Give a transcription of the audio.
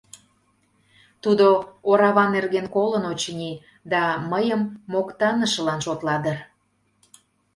Тудо орава нерген колын, очыни, да мыйым моктанышылан шотла дыр.